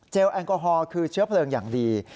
แอลกอฮอล์คือเชื้อเพลิงอย่างดี